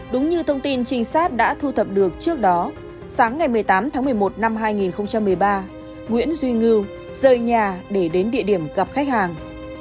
đúng như thông tin trinh sát đã thu thập được trước đó sáng ngày một mươi tám tháng một mươi một năm hai nghìn một mươi ba nguyễn duy ngưu rời nhà để đến địa điểm gặp khách hàng